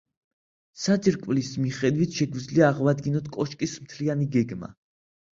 საძირკვლის მიხედვით შეგვიძლია აღვადგინოთ კოშკის მთლიანი გეგმა.